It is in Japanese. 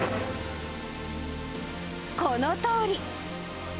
このとおり。